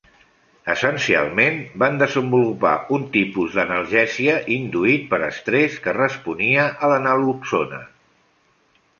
Essencialment, van desenvolupar un tipus d'analgèsia induït per estrès que responia a la naloxona.